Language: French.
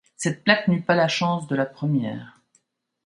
Cette plaque n’eut pas la chance de la première.